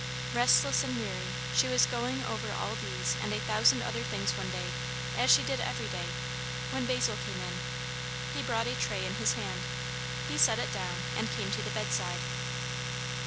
Restless and weary, she was going over all these and a thousand other things one day, as she did every day, when Basil came in. He brought a tray in his hand. He set it down, and came to the bedside.